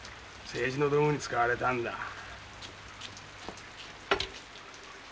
政治の道具に使われたんだ。